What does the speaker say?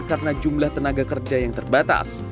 karena jumlah tenaga kerja yang terbatas